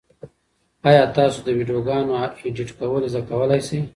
ایا تاسو د ویډیوګانو ایډیټ کول زده کولای شئ؟